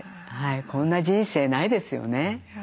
こんな人生ないですよね。